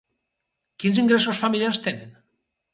Quins ingressos familiars tenen?